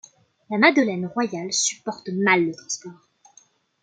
La Madeleine royale supporte mal le transport.